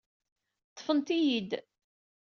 Ḍḍfent-iyi-d.